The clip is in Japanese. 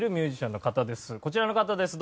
こちらの方です。